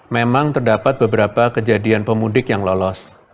memang terdapat beberapa kejadian pemudik yang lolos